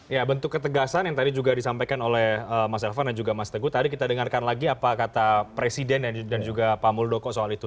ya bentuk ketegasan yang tadi juga disampaikan oleh mas elvan dan juga mas teguh tadi kita dengarkan lagi apa kata presiden dan juga pak muldoko soal itu